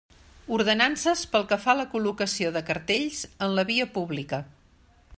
Ordenances pel que fa a la col·locació de cartells en la via pública.